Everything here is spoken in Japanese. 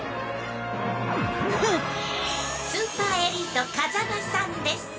スーパーエリート風間さんです！